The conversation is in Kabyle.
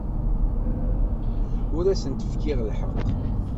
Ur asent-kfiɣ lḥeqq.